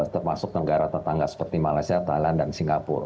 termasuk negara tetangga seperti malaysia thailand dan singapura